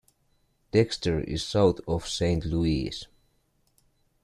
Dexter is south of Saint Louis.